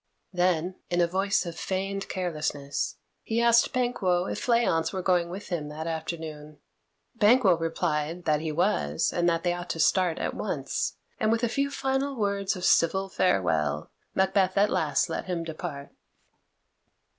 Then, in a voice of feigned carelessness, he asked Banquo if Fleance were going with him that afternoon. Banquo replied that he was, and that they ought to start at once, and with a few final words of civil farewell Macbeth at last let him depart.